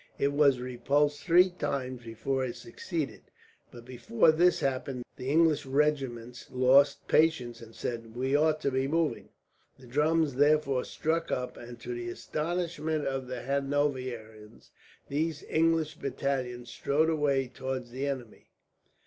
It was repulsed three times before it succeeded, but before this happened the English regiments lost patience, and said, "We ought to be moving." The drums therefore struck up and, to the astonishment of the Hanoverians, these English battalions strode away towards the enemy.